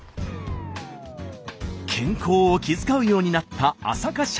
健康を気遣うようになった浅香社員。